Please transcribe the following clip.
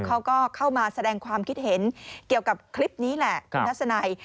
เขาก็เข้ามาแสดงความคิดเห็นเกี่ยวกับคลิปนี้แหละคุณทัศนัย